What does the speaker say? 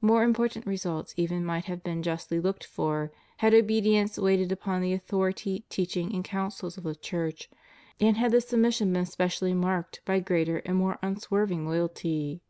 More important results even might have been justly looked for, had obedience waited upon the authority, teaching, and counsels of the Church, and had this sub mission been specially marked by greater and more un swerving loyalty.